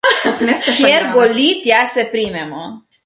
Kjer boli, tja se primemo.